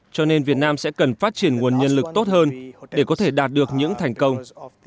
cho nên việt nam sẽ cần phát triển nguồn nhân lực tốt hơn để có thể đạt được những thành công